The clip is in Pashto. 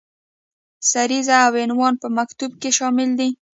سریزه او عنوان په مکتوب کې شامل دي.